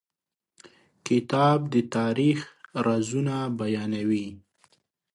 کتاب د تاریخ رازونه بیانوي.